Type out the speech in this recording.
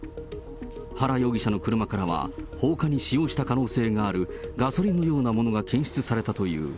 原容疑者の車からは、放火に使用した可能性のあるガソリンのようなものが検出されたという。